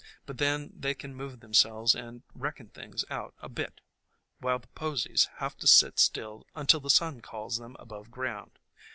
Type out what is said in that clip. But then they can move themselves and reckon things out a bit while the posies have to sit still until the sun calls them above ground.